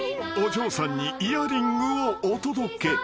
お嬢さんにイヤリングをお届け］